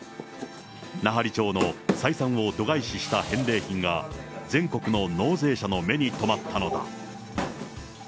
奈半利町の採算を度外視した返礼品が、全国の納税者の目に留まったのだ。